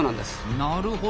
なるほど！